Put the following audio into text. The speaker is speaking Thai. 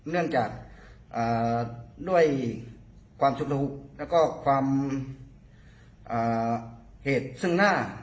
เนื่องจากด้วยความสนุกแล้วก็ความเหตุซึ่งหน้า